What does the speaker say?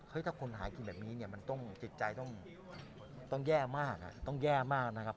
เฮ้ยถ้าคุณหากินแบบนี้เนี่ยจิตใจต้องแย่มากนะครับ